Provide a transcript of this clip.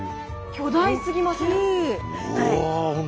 巨大すぎません？